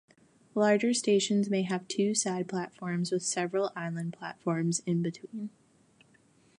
Larger stations may have two side platforms with several island platforms in between.